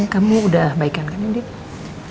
kamu sudah baikan kan ini